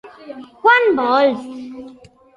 Quant vols?